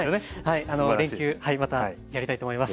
はい連休またやりたいと思います。